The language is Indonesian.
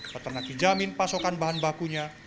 peternak dijamin pasokan bahan bakunya